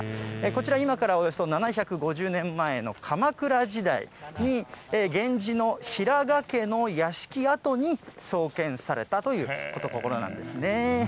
こちら、今からおよそ７５０年前の鎌倉時代に、源氏の平賀家の屋敷跡に創建されたという所なんですね。